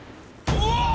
うわーっ！